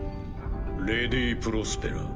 レディ・プロスペラ。